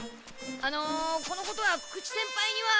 あのこのことは久々知先輩には。